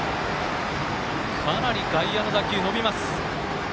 かなり外野の打球、伸びます。